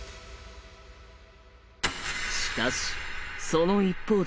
しかしその一方で。